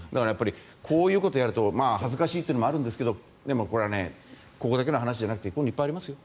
こういうことをやると恥ずかしいというのもあるんですがでもこれはここだけの話じゃなくていっぱいありますよ。